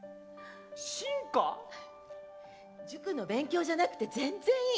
塾の勉強じゃなくて全然いい。